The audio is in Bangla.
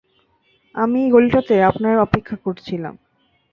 আমি এই গলিটাতে আপনার অপেক্ষা করছিলাম।